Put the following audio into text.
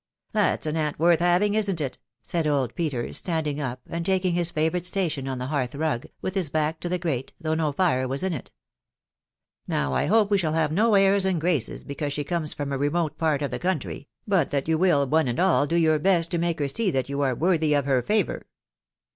" That's an aunt worth having, isn't it ?"•.• said old Pe ters, standing up, and taking his favourite station on the hearth rug, with his back to the grate, though no fire was in it. ..." Now I hope we shall have no airs and graces, be cause she comes from a remote part of the country, but that you wrll one and all do your best to make her see that you are worthy of her favour."